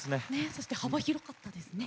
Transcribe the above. そして幅広かったですね。